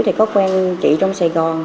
thì có quen chị trong sài gòn